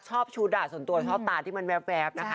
ชอบชุดส่วนตัวชอบตาที่มันแวบนะคะ